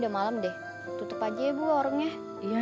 kok kak kamu belum pulang juga ya